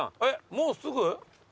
もうすぐ？